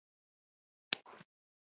انار د وینې کمښت له منځه وړي.